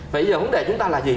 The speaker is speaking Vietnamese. vậy giờ vấn đề chúng ta là gì